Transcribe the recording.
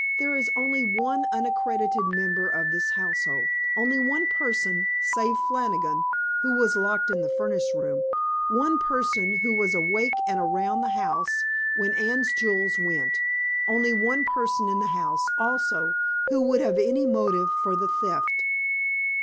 "There is only one unaccredited member of this household; only one person, save Flannigan, who was locked in the furnace room, one person who was awake and around the house when Anne's jewels went, only one person in the house, also, who would have any motive for the theft."